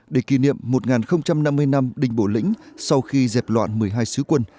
để kỷ niệm một năm mươi năm đình bổ lĩnh sau khi dẹp loạn một mươi hai sứ quân